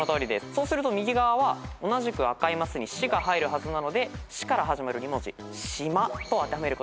そうすると右側は同じく赤いマスに「シ」が入るはずなので「シ」から始まる２文字「シマ」と当てはめることができるわけです。